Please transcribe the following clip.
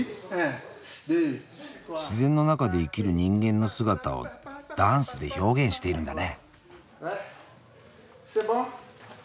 自然の中で生きる人間の姿をダンスで表現しているんだね。